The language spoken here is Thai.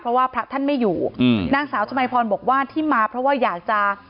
เพราะว่าพระท่านไม่อยู่อืมนางสาวชมัยพรบอกว่าที่มาเพราะว่าอยากจะ